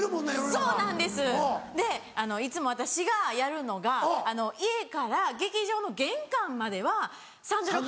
そうなんですでいつも私がやるのが家から劇場の玄関まではサンダル。